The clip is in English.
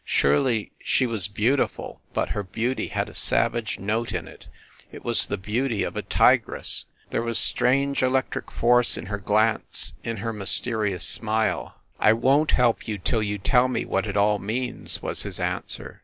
Surely she was beautiful but her beauty had a savage note in it it was the beauty of a tigress there was strange electric force in her glance, in her mysterious smile. "I won t help you till you tell me what it all means," was his answer.